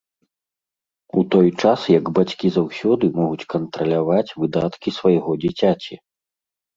У той час як бацькі заўсёды могуць кантраляваць выдаткі свайго дзіцяці.